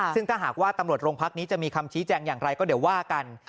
ซึ่งถ้าหากว่าตำรวจโรงพักนี้จะมีคำชี้แจงอย่างไรก็เดี๋ยวว่ากัน